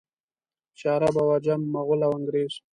چې عرب او عجم، مغل او انګرېز.